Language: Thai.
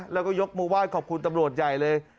แล้วก็ยกมือไหว้ขอบคุณตำรวจใหญ่เลย